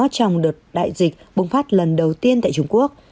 trong đợt đại dịch bùng phát lần đầu tiên tại trung quốc